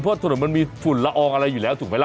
เพราะถนนมันมีฝุ่นละอองอะไรอยู่แล้วถูกไหมล่ะ